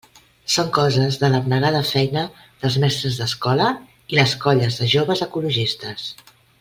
Són coses de l'abnegada feina dels mestres d'escola i les colles de joves ecologistes.